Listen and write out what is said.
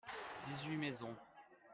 dix-huit maisons.